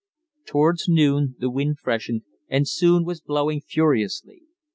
Towards noon the wind freshened and soon was blowing furiously.